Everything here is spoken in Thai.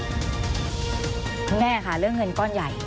คุณแม่ค่ะเรื่องเงินก้อนใหญ่